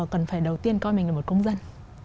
cần phải đầu tiên coi mình là một công dân